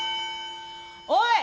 おい！